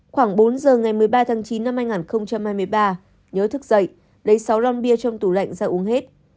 khoảng bốn giờ ngày một mươi ba tháng chín năm hai nghìn hai mươi ba nhớ thức dậy lấy sáu ron bia trong tủ lạnh ra uống hết